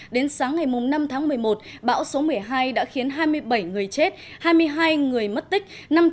đến sáng ngày năm tháng một mươi một bão số một mươi hai đã khiến hai mươi bảy người chết hai mươi hai người mất tích